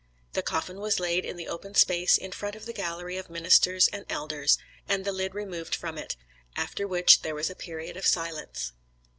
The coffin was laid in the open space in front of the gallery of ministers and elders, and the lid removed from it, after which there was a period of silence.